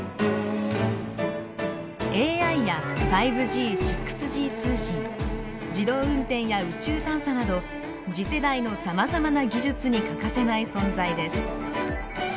ＡＩや５Ｇ・６Ｇ通信自動運転や宇宙探査など次世代のさまざまな技術に欠かせない存在です。